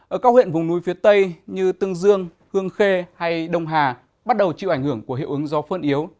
ở các huyện vùng núi phía tây như tương dương hương khê hay đông hà bắt đầu chịu ảnh hưởng của hiệu ứng gió phơn yếu